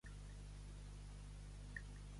El sol fa cluc.